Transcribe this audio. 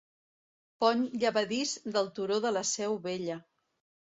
Pont llevadís del Turó de la Seu Vella.